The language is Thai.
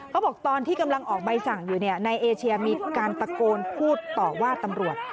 บอกตอนที่กำลังออกใบสั่งอยู่ในเอเชียมีการตะโกนพูดต่อว่าตำรวจ